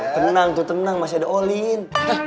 tenang tuh tenang masih ada olin